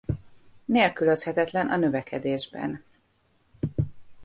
Nélkülözhetetlen a növekedésben.